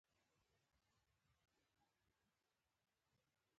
رفاه، خدماتو او حکومت سر خوړلی دی.